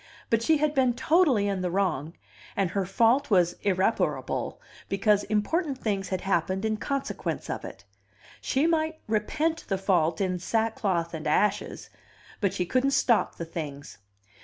But she had been totally in the wrong, and her fault was irreparable, because important things had happened in consequence of it; she might repent the fault in sackcloth and ashes, but she couldn't stop the things.